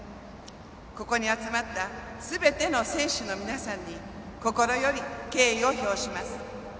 ここに集まったすべての選手の皆さんに心より敬意を表します。